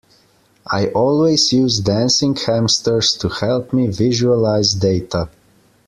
I always use dancing hamsters to help me visualise data.